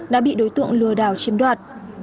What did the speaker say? đã bị đối tượng lừa đảo chiếm đoạt